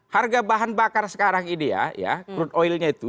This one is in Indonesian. harga bahan bakar sekarang ini ya crude oilnya itu